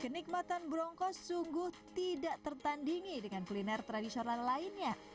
kenikmatan broncos sungguh tidak tertandingi dengan kuliner tradisional lainnya